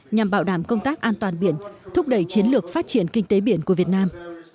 nhằm bảo đảm công tác an toàn biển thúc đẩy chiến lược phát triển kinh tế biển của việt nam